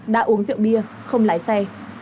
đã uống rượu bia không lái xe